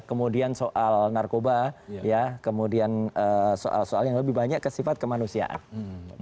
kemudian soal narkoba ya kemudian soal soal yang lebih banyak kesifat kemanusiaan